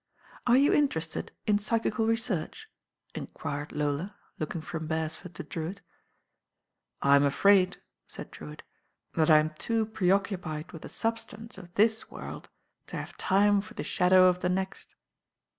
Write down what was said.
"Are you interested in psychical research?" enquired Lola, looking from Beresford to Drewitt. I m afraid," said Drewitt, "that I'm too pre occupied with the substance of this world to have time for the shadow of the next."